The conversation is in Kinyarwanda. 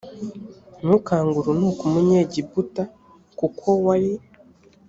ntukange urunuka umunyegiputa kuko wari